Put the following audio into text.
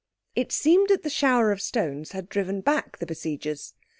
It seemed that the shower of stones had driven back the besiegers.